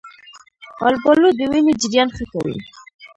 آلوبالو د وینې جریان ښه کوي.